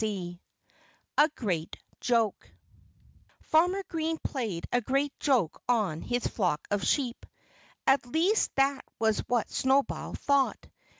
XXII A GREAT JOKE Farmer Green played a great joke on his flock of sheep. At least that was what Snowball thought.